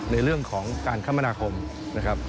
ในเรื่องของการคมนาคมนะครับ